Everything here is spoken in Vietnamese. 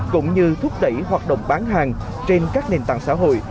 cũng như thúc đẩy hoạt động bán hàng trên các nền tảng xã hội